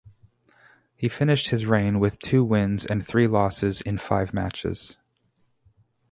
He finished his reign with two wins and three losses in five matches.